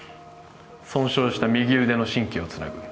損傷した右腕の神経をつなぐ